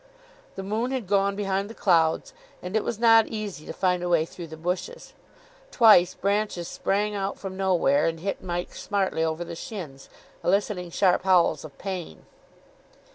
The moon had gone behind the clouds, and it was not easy to find a way through the bushes. Twice branches sprang out from nowhere, and hit Mike smartly over the shins, eliciting sharp howls of pain.